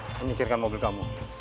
menyekirkan mobil kamu